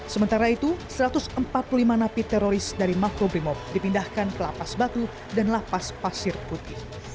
sementara itu satu ratus empat puluh lima napi teroris dari makobrimob dipindahkan ke lapas batu dan lapas pasir putih